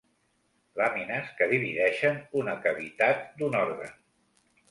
Làmines que divideixen una cavitat d'un òrgan.